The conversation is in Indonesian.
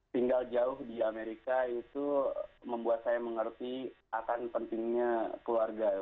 tinggal jauh di amerika itu membuat saya mengerti akan pentingnya keluarga